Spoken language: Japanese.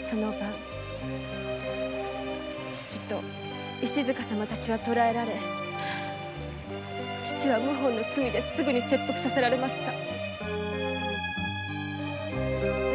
その晩父と石塚様たちは捕えられ父は謀反の罪ですぐに切腹させられました。